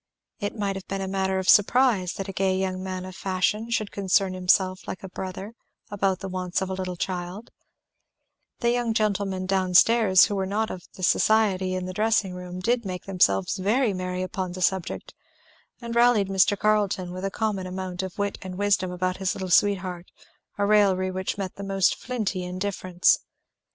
It might have been matter of surprise that a gay young man of fashion should concern himself like a brother about the wants of a little child; the young gentlemen down stairs who were not of the society in the dressing room did make themselves very merry upon the subject, and rallied Mr. Carleton with the common amount of wit and wisdom about his little sweetheart; a raillery which met the most flinty indifference.